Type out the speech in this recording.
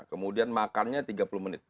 kemudian makannya tiga puluh menit